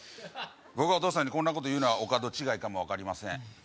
僕がお義父さんにこんなこと言うのはお門違いかも分かりません